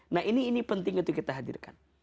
nah ini penting untuk kita hadirkan